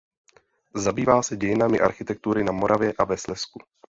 Zabývá se dějinami architektury na Moravě a ve Slezsku.